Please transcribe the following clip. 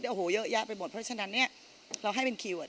โอ้โหเยอะแยะไปหมดเพราะฉะนั้นเนี่ยเราให้เป็นคิวอ่ะ